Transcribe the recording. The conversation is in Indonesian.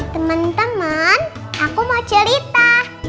teman teman aku mau cerita